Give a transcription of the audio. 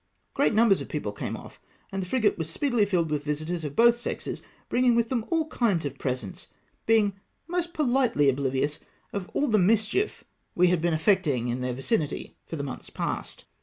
Great numbers of people came off, and the frigate was speedily filled with visitors of both sexes, bringing with them all kinds of presents ; being most politely obli vious of all the mischief we had been effecting in their vicinity for months past.